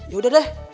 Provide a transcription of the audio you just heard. ya udah deh